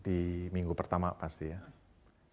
di minggu pertama pasti ya